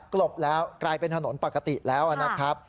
ลบแล้วกลายเป็นถนนปกติแล้วนะครับ